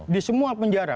di semua penjara